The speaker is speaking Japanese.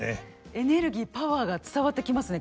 エネルギーパワーが伝わってきますね